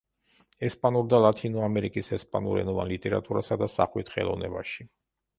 ესპანურ და ლათინო ამერიკის ესპანურენოვან ლიტერატურასა და სახვით ხელოვნებაში.